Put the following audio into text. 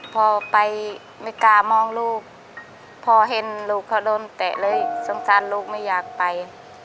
พอไปไม่กล้ามองลูกพอเห็นลูกเขาโดนเตะเลยสงสารลูกไม่อยากไป